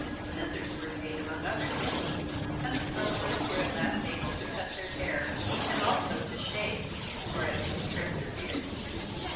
Scissors were made among other things, and the settlers were at last able to cut their hair, and also to shave, or at least trim their beards.